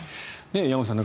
山口さん